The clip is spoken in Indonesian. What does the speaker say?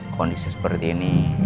kondisi seperti ini